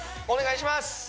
お願いします！